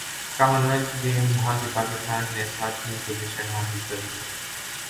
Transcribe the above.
common wealth games hockey Pakistan نے ساتویں position حاصل کر لی